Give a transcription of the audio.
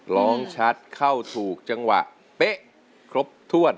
ร้องชัดเข้าถูกจังหวะเป๊ะครบถ้วน